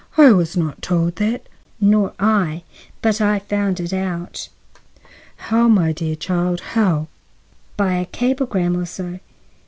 "I was not told that." "Nor I. But I found it out." "How, my dear child, how?" "By a cablegram or so."